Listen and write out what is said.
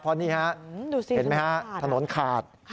เพราะนี่ฮะดูสิเห็นไหมฮะถนนขาด